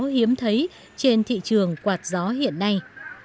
độc đáo hiếm thấy trên thị trường quạt gió hiện nay